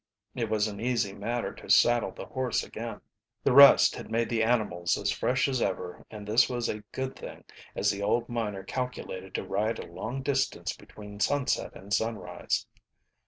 It was an easy matter to saddle the horse again. The rest had made the animals as fresh as ever and this was a good thing, as the old miner calculated to ride a long distance between sunset and sunrise.